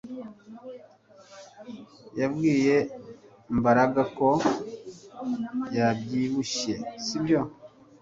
Wabwiye Mbaraga ko yabyibushye sibyo